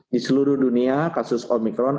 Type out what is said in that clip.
di seluruh dunia kasus omikron